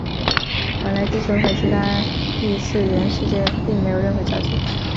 本来地球和其他异次元世界并没有任何交集。